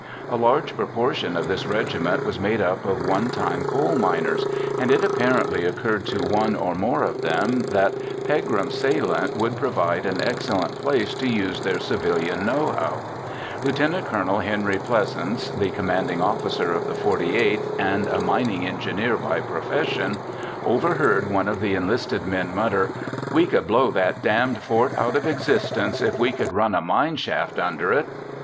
A large proportion of this regiment was made up of onetime coal miners, and it apparently occurred to one or more of them that Pegram's Salient would provide an excellent place to use their civilian knowhow. Lt. Col. Henry Pleasants, the commanding officer of the 48th and a mining engineer by profession, overheard one of the enlisted men mutter, "We could blow that damned fort out of existence if we could run a mine shaft under it."